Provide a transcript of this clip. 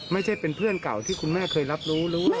ไม่ใช่เป็นเพื่อนเก่าที่คุณแม่เคยรับรู้รู้